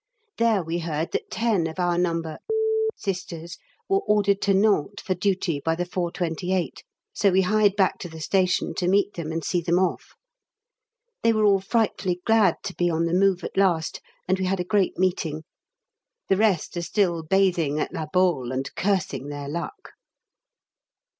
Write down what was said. There we heard that ten of our No. Sisters were ordered to Nantes for duty by the 4.28, so we hied back to the station to meet them and see them off. They were all frightfully glad to be on the move at last, and we had a great meeting. The rest are still bathing at La Baule and cursing their luck.